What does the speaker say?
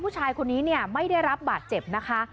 ผู้ชายคนนี้เนี่ยไม่ได้รับบาดเจ็บนะคะ